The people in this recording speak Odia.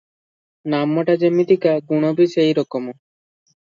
ନାମଟା ଯିମିତିକା, ଗୁଣ ବି ସେଇ ରକମ ।